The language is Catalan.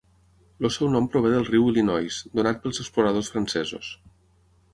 El seu nom prové del riu Illinois, donat pels exploradors francesos.